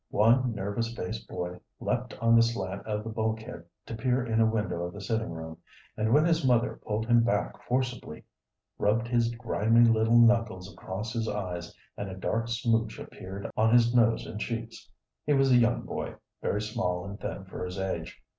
One nervous faced boy leaped on the slant of the bulkhead to peer in a window of the sitting room, and when his mother pulled him back forcibly, rubbed his grimy little knuckles across his eyes, and a dark smooch appeared on his nose and cheeks. He was a young boy, very small and thin for his age.